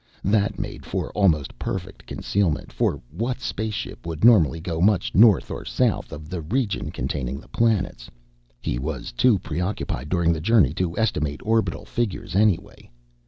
That made for almost perfect concealment, for what spaceship would normally go much north or south of the region containing the planets? He was too preoccupied during the journey to estimate orbital figures, anyway.